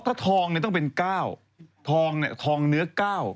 ถ้าทองเนี่ยต้องเป็น๙ทองเนื้อ๙